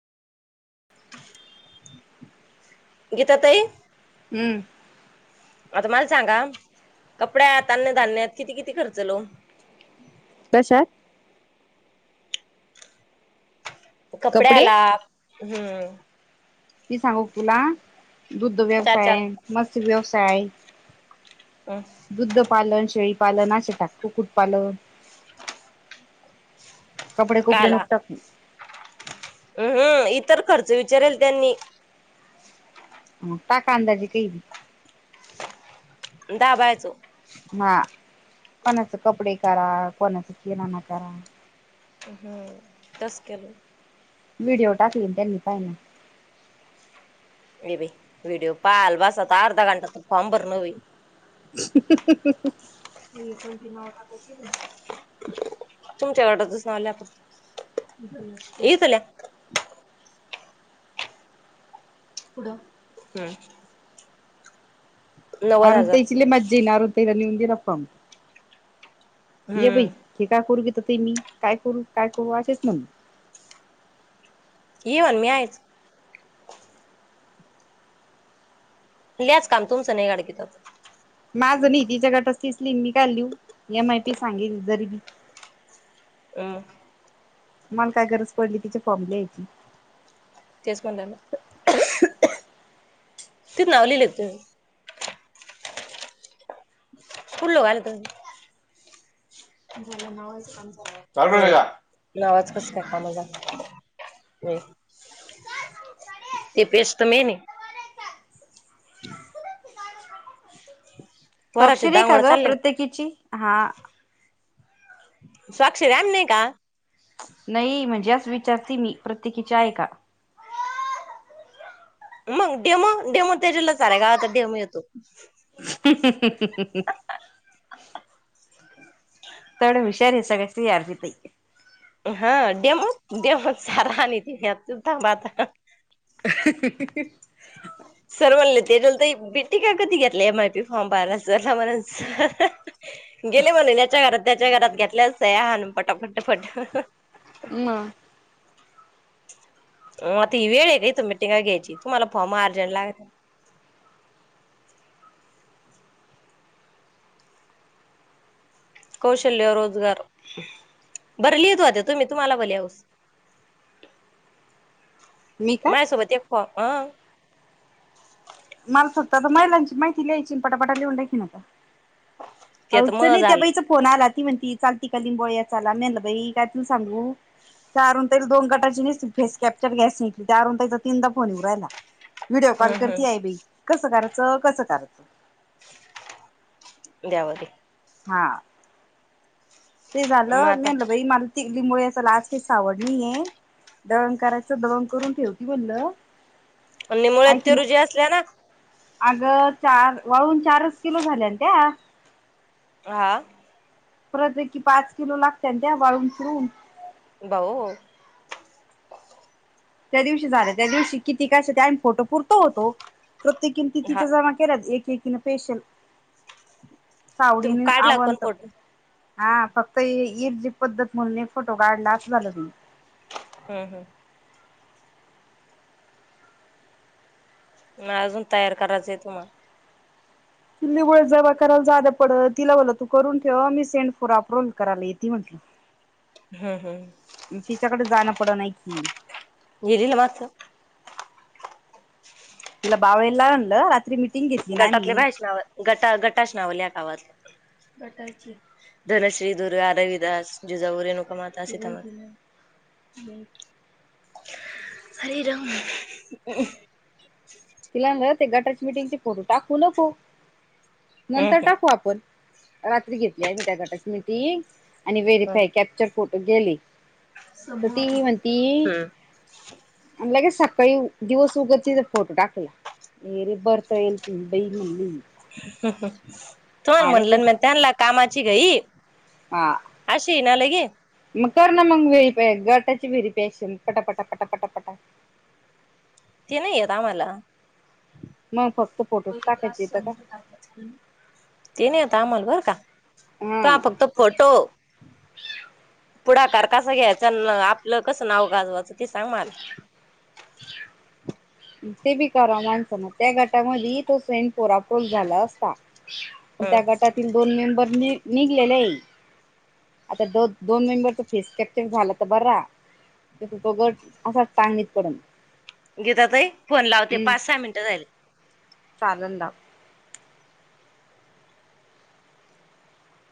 गीता ताई हम्म! आता मला सांगा कपड्यात, अन्नधान्यात किती किती खर्चलो कशात? कपडे कपड्याला हम्म मी सांगू तुला दुधध चार चार व्यवसाय, मत्स्य व्यवसाय हम्म दुद्धपालन, शेळीपालन असे टाक. कुक्कुटपालन ह कपडे [unintelligible] कुपडे काला नको टाकू. हम [unintelligible] हम् [unintelligible] इतर खर्च विचारेल त्यांनी म टाका आंदजी काही दाबायचो हा कोणाच कपडे करा कोणाच किराणा करा हम्म तस केलो व्हिडिओ टाकलीन त्यांनी पाहायना हे बांई व्हिडिओ पाहाल बसता अर्धा घंटा तर फार्म भरन होईल. हम दिनाव टाकुची नी तुमच्या गटातसचं आल्या आप येतल्या कुडं हम अरुण ताईची ल्ये मज्जाईल अरुण ताई आली म्हणजे गप्पा ये हम्म बाई तेकाखूर कती तर ते मी काय करू काय करू असेच म्हण ये मन मी आहेच ल्याच काम तुमचं नाही गाड किता माझं न तिच्या गटाच तीच लिहील मी का लिहू एम माहिती सांगितली जरी हम मला काय गरज पडली तिच्या फॉम ल्यायची तेच म्हनल ना तिथ नाव लीलेत तुम्ही फुल्लो गालीत हम चालू ठेवले का? नावाचा कस काय कामा जा होय ते बेस त मेनये ह [inaudible] ह [inaudible] स्वाक्षरी का ग प्रत्येकीची हा स्वाक्षरी आहेम नाही का नाही म्हणजे आच विचारते मी प्रत्येकीचे आहे का मग डेमो डेमो त्याच्याला साऱ्या गावाचा डेमो येतो हम हम ह [inaudible] थोड हुषार आहे सगळया ती आरतीताई हा डेमो डेमोत सारा हा नि ते ह्याच थांबा आता हा हा ही ही ही हम् [inaudible] सर बोले तेजल तांई बीटी काय कधी घेतलं एम आय पी फॉर्म बाराजरला म्हण स हा हा गेले म्हणे त्याच्या घरात त्याच्या घरात घेतल्याच सह्याहानुन फटाफट फट ह ह म म आत ही वेळ आहे का त मिटिंग घ्यायची तुम्हाला फॉर्म अर्जंट लागत [unintelligible] कौशल्य रोजगार बरं लिहित होता तुम्ही तुम्हाला ब लेआवूस मी का माया सोबत एक्यो हह मला फक्त आता महिलांची माहिती ल्यायची पटापटा लिहून द्या की मग ते तर म हाउचअ ने त्या झालं बाईच फोन आला ती म्हणती चालती का लिंबो या चाला मला बाई काय तूज सांगू त्या आरुण ताईला दोन गटाची नेच फेस कॅप्चर गॅस निघ त्या आरुन ताईचा तीनदा फोन ऐउरायला व्हिडिओ कॉल हम् हम् करती आहे बाई कसं करायचं कसं करायचं द्याव ते हा. ते मग झालं मी आता म्हणलं बाई मला तिकलीमुळे असला आज काही सावड नाहीये. दळण करायचं दळण करून ठेवती म्हणलं. आणि मुळात ते रुज्या असल्या ना. अग चार वाळून चारच किलो झाल्या त्या. हा. परत आहे की पाच किलो लागत्याता वाळून फिरून. बाऊ. त्या दिवशी झालं त्या दिवशी किती काय अस फोटो पुर तो होतो, प्रत्येकीने हा कीतिचा जमा केला एकेकीने स्पेशल. तुम सावडीनी काढला कोण आवंत. फोटो हा फक्त एक जी पद्धत मुलने फोटो काढला अस झाल म. हम् हम्. म अजून तयार करायचं आहे तुम्हाला. कील्लीमुळे जमा करायला जान पड तिला बलो तू करून ठेव मी सेंड फोराप्रोल कराला येती म्हंटलं. हम् हम् तिच्याकडे जाणं पड नाही की? गेलीला मागचं इला भाव एला म्हलं रात्री मी. घेतली ना गटातले बायका गटा गटाश लावल्या [unintelligible] गटाचे, धनश्री, दुरगा, रविदास, जिजाऊ, रेनुकामाता, सीतामाता. हरी राम. तिलान ते गटाचे मिटिंग चे फोटो दाखवू नको. हम् नंतर टाकू आपण रात्री घेतली आ मी त्या गटाची मिटिंग. आणि हम् व्हेरीफाय कॅप्चर फोटो केले. तर ती म्हणती, हम्म आणि लगेच सकाळी दिवस उगत फोटो टाकला [unintelligible] तर आणि म्हणल ते म त्यांला कामाची घाई. हा अशी ना लगे. मग कर ना म व्हेरिफाय गटाची विहिरी प्याश पटापटा पटा पटा पटा. ते नाही येत आम्हाला. मग फक्त फोटोज टाकायचे तर का ते नाही. ता मल बर हा का, फक्त फोटो. पुढाकार कसं घ्यायचा आपलं कसं नाव गाजवाचं ते सांग मला. ते बी करा माणसं ना त्या गटामध्ये तो सैण पोरापर झाला असता. पण त्या हम्म गटातील दोन मेंबर नि निघलेले आहे. आता दो दोन मेंबरच फेस कॅपचर झालं तर बरा. तो गट असाच टांगणीत पडंन. गीताताई फोन लावते पाच सहा मिनटं झाले. चालंदा.